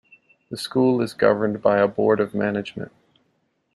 The school is governed by a board of management.